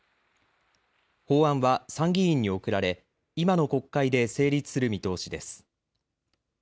法案は参議院に送られ今の国会で成立する見通しです。